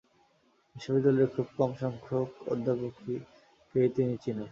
বিশ্ববিদ্যালয়ের খুব কমসংখ্যক অধ্যাপককেই তিনি চেনেন।